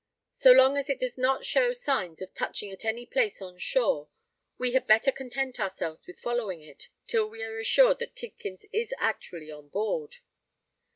"So long as it does not show signs of touching at any place on shore, we had better content ourselves with following it, till we are assured that Tidkins is actually on board."